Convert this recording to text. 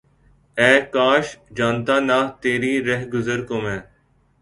اے کاش! جانتا نہ تیری رہگزر کو میں!